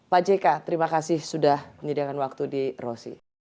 pak jk terima kasih sudah menyediakan waktu di rosi